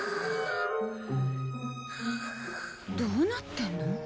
どうなってるの？